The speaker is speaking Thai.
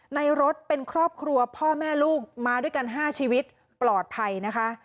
ในรถเป็นครอบครัวพ่อแม่ลูกมาด้วยกัน๕ชีวิตปลอดภัยนะคะ